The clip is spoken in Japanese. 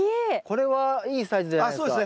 これはいいサイズじゃないですか？